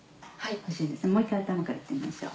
もう一回頭から行ってみましょう。